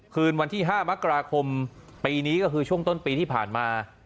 คืนวันที่๕มกราคมปีนี้ก็คือช่วงต้นปีที่ผ่านมา